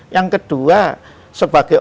yang kedua sebagai